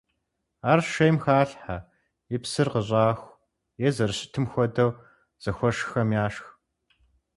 Ар шейм халъхьэ, и псыр къыщӏаху, е зэрыщытым хуэдэу зыхуэшххэм яшх.